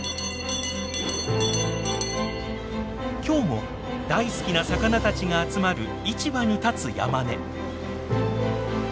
今日も大好きな魚たちが集まる市場に立つ山根。